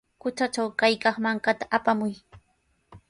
Kutatraw kaykaq mankata apamuy.